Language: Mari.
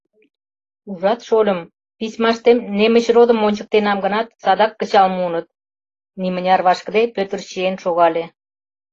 — Ужат, шольым, письмаштем Немычродым ончыктенам гынат, садак кычал муыныт, — нимыняр вашкыде, Пӧтыр чиен шогале.